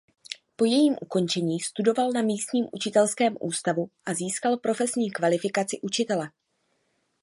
Po jejím ukončení studoval na místním učitelském ústavu a získal profesní kvalifikaci učitele.